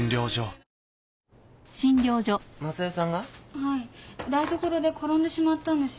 はい台所で転んでしまったんです。